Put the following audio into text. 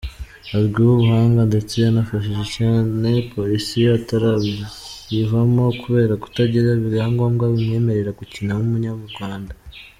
Azwiho ubuhanga ndetse yanafashije cyane Police atarayivamo kubera kutagira ibyangombwa bimwemerera gukina nk’Umunyarwanda.